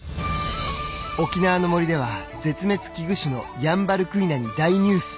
沖縄の森では絶滅危惧種のヤンバルクイナに大ニュース！